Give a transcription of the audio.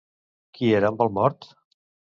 Qui era amb el mort?